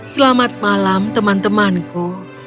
selamat malam teman temanku